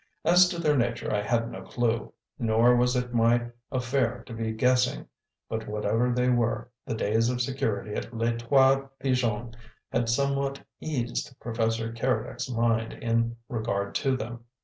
As to their nature I had no clew; nor was it my affair to be guessing; but whatever they were, the days of security at Les Trois Pigeons had somewhat eased Professor Keredec's mind in regard to them.